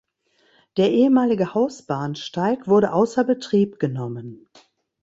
Der ehemalige Hausbahnsteig wurde außer Betrieb genommen.